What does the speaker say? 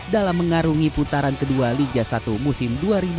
dalam mengarungi putaran kedua liga satu musim dua ribu dua puluh dua dua ribu dua puluh tiga